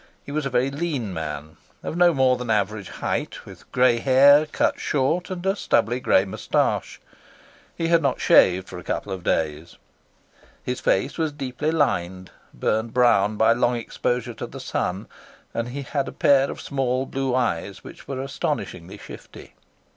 He was a very lean man, of no more than average height, with gray hair cut short and a stubbly gray moustache. He had not shaved for a couple of days. His face was deeply lined, burned brown by long exposure to the sun, and he had a pair of small blue eyes which were astonishingly shifty.